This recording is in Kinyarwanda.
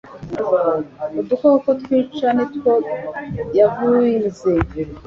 Udukoko twica nitwo yavuze